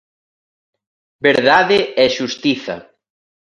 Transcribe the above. Verdade e xustiza.